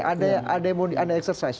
ada yang mau di exercise